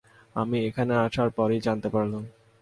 আমি এখানে আসার পরই জানতে পারলাম।